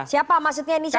siapa maksudnya ini siapa